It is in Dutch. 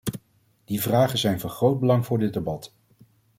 Die vragen zijn van groot belang voor dit debat.